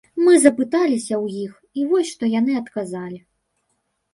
Мы запыталіся ў іх, і вось што яны адказалі.